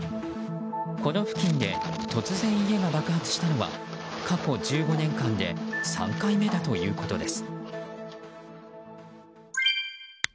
この付近で突然家が爆発したのは過去１５年間で３回目だということです。